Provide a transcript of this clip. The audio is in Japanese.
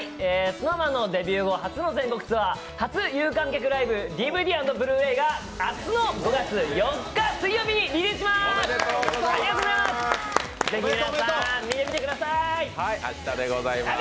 ＳｎｏｗＭａｎのデビュー初の全国ツアー・初有観客ライブのＤＶＤ＆ブルーレイが明日５月４日、水曜日に発売します。